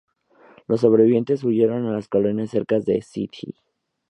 Los sobrevivientes huyeron a las colonias cercanas de St.